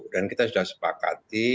dan kita sudah sepakati